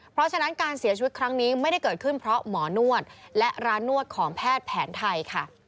เพราะฉะนั้นการเสียชีวิตครั้งนี้ไม่ได้เกิดขึ้นเพราะหมอนวดและร้านนวดของแพทย์แผนไทยค่ะ